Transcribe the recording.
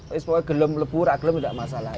weh sepuluh gelombang leburak gelombang gak masalah